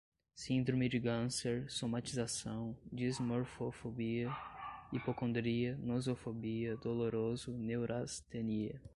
síndrome de ganser, somatização, dismorfofobia, hipocondria, nosofobia, doloroso, neurastenia